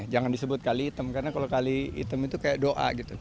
jangan disebut kali hitam karena kalau kali hitam itu kayak doa gitu